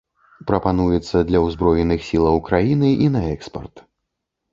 Прапануецца для ўзброеных сілаў краіны і на экспарт.